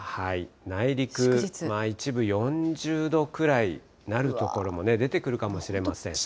内陸、一部４０度ぐらいになる所も出てくるかもしれません。